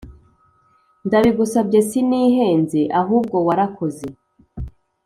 ndabigusabye sinihenze ahubwo warakoze